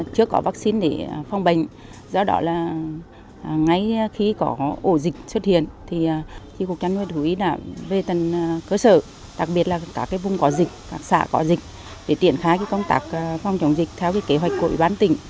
các vùng có dịch các xã có dịch để triển khai công tác phòng chống dịch theo kế hoạch của ủy ban tỉnh